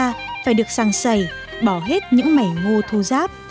lấy ra phải được sàng sẩy bỏ hết những mảy ngô thô giáp